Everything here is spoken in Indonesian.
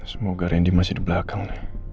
semoga randy masih dibelakang